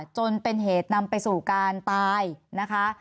จนเป็นเหตุนำไปสู่การตายนะคะ